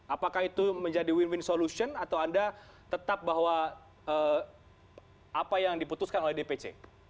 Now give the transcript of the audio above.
apakah itu menjadi win win solution atau anda tetap bahwa apa yang diputuskan oleh dpc